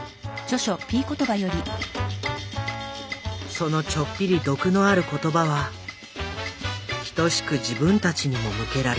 そのちょっぴり毒のある言葉はひとしく自分たちにも向けられる。